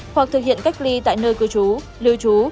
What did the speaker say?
hoặc thực hiện cách ly tại nơi cư trú lưu trú